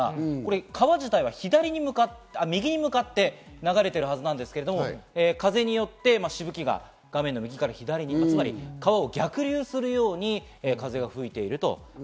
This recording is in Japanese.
川自体が右に向かって流れているはずなんですが、風によって、しぶきが画面の右から左、つまり川を逆流するように風が吹いています。